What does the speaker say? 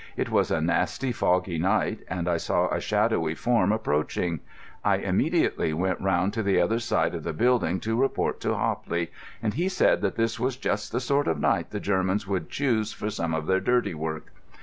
It was a nasty, foggy night and I saw a shadowy form approaching. I immediately went round to the other side of the building to report to Hopley, and he said that this was just the sort of night the Germans would choose for some of their dirty work.